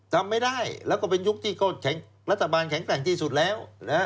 ทำไม่ได้แล้วก็เป็นยุคที่รัฐบาลแข็งแกร่งที่สุดแล้ว